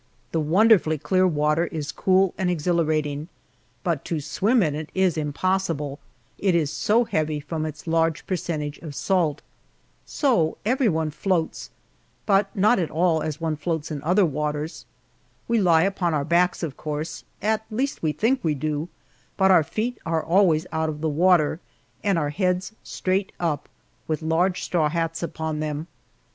The wonderfully clear water is cool and exhilarating, but to swim in it is impossible, it is so heavy from its large percentage of salt. So every one floats, but not at all as one floats in other waters. We lie upon our backs, of course at least we think we do but our feet are always out of the water, and our heads straight up, with large straw hats upon them.